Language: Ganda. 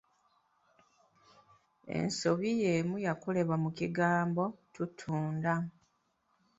Ensobi y’emu yakolebwa mu kigambo ‘tuutunda’